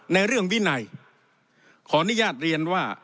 ในเรื่องวินัยขออนุญาตเรียนว่า